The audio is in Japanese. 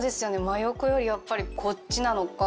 真横よりやっぱりこっちなのか。